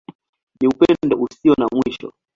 Ni Upendo Usio na Mwisho.